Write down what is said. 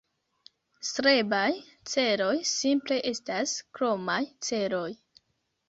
Strebaj celoj simple estas kromaj celoj